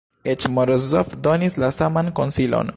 Eĉ Morozov donis la saman konsilon.